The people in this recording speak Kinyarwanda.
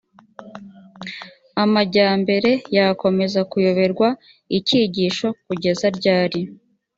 amajyambere yakomeza kuyoborerwa icyigisho kugeza ryari